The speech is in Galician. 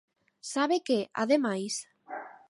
¿Sabe que, ademais?